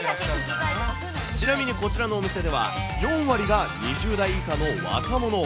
ちなみにこちらのお店では、４割が２０代以下の若者。